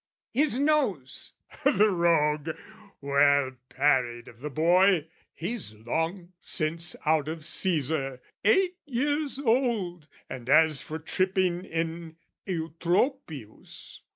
"'His nose,' the rogue! well parried of the boy! "He's long since out of CAesar (eight years old) "And as for tripping in Eutropius...